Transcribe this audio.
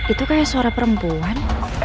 itu kayak suara perempuan